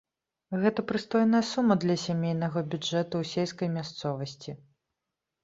Гэта прыстойная сума для сямейнага бюджэту ў сельскай мясцовасці.